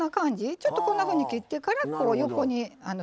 ちょっとこんなふうに切ってから横にスライドさせると。